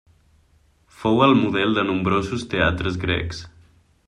Fou el model de nombrosos teatres grecs.